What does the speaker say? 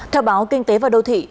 theo báo kinh tế và đô thị